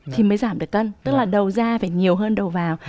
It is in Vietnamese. thì mới giảm được cân tức là đầu ra phải nhiều hơn đầu vào